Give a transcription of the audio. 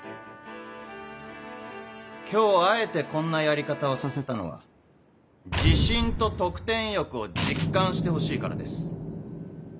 今日あえてこんなやり方をさせたのは自信と得点欲を実感してほしいからです。